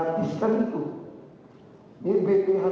apa senama keadilan